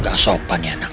tidak sopan ya anak